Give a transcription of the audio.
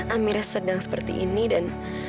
amirnya sedang seperti ini dan